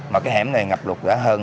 mà cái hẻm này ngập lụt đã hơn